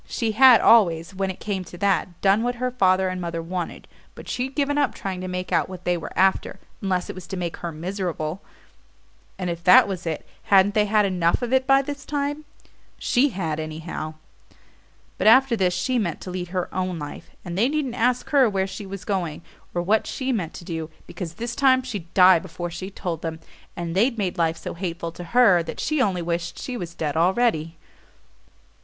She had always, when it came to that, done what her father and mother wanted, but she'd given up trying to make out what they were after, unless it was to make her miserable; and if that was it, hadn't they had enough of it by this time? She had, anyhow. But after this she meant to lead her own life; and they needn't ask her where she was going, or what she meant to do, because this time she'd die before she told them and they'd made life so hateful to her that she only wished she was dead already.